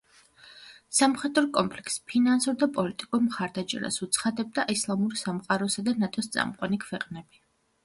სამხედრო კონფლიქტს ფინანსურ და პოლიტიკურ მხარდაჭერას უცხადებდა ისლამური სამყაროსა და ნატოს წამყვანი ქვეყნები.